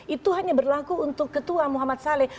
itu hanya berlaku untuk ketua muhammad saleh